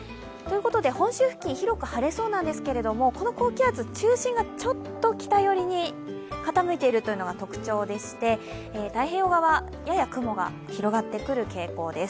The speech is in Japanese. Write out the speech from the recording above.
本州付近、広く晴れそうなんですけどこの高気圧中心がちょっと北寄りに傾いているのが特徴でして、太平洋側やや雲が広がってくる傾向です。